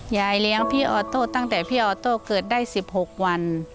ยายเลี้ยงพี่ออโต้ตั้งแต่พี่ออโต้เกิดได้๑๖วัน